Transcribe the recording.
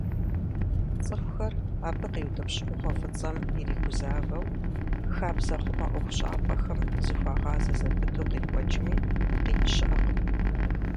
ЦӀыхухэр абы къиутӀыпщ Ӏугъуэ фӀыцӀэм иригузавэу, хабзэхъумэ ӀуэхущӀапӀэхэм зыхуагъазэ зэпыту къекӀуэкӀми, къикӀ щыӀэкъым.